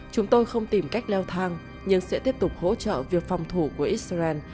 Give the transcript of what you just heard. chúng tôi không tìm cách leo thang nhưng sẽ tiếp tục hỗ trợ việc phòng thủ của israel